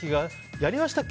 やりましたっけ？